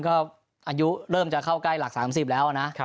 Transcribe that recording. ก็อายุเริ่มจะเข้าใกล้หลัก๓๐แล้วนะ